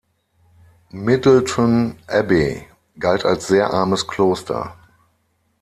Midleton Abbey galt als sehr armes Kloster.